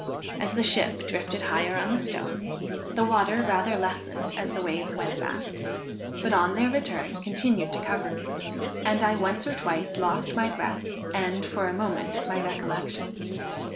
As the ship drifted higher on the stones, the water rather lessened as the waves went back, but on their return, continued to cover me, and I once or twice lost my breath, and, for a moment, my recollection.